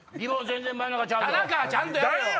ちゃんとやれよ